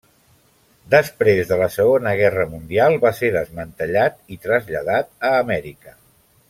Després de la Segona Guerra Mundial va ser desmantellat i traslladat a Amèrica.